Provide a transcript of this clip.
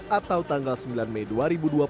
atau tanggal sembilan mei dua ribu dua puluh